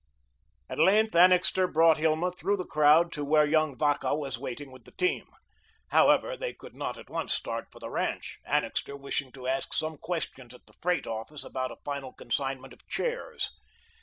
At length, Annixter brought Hilma through the crowd to where young Vacca was waiting with the team. However, they could not at once start for the ranch, Annixter wishing to ask some questions at the freight office about a final consignment of chairs.